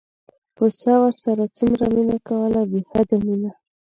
پسه ورسره څومره مینه کوله بې حده مینه.